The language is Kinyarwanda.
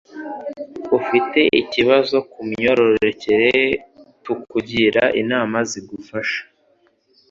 Ufite ikibazo kumyororokere tukugira inama zigufasha.